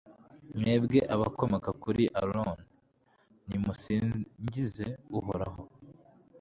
mwebwe abakomoka kuri aroni, nimusingize uhoraho